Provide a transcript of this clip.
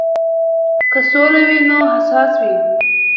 که سوله وي نو حساس وي.